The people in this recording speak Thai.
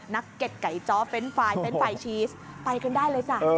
นักเกร็ดไก่จ๋อเฟนท์ไฟแฟนท์ไฟชีสปลายกันได้เลยจ้ะ